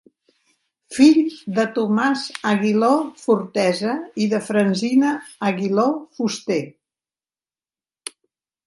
Fill de Tomàs Aguiló Fortesa i de Francina Aguiló Fuster.